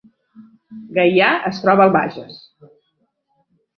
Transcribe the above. Gaià es troba al Bages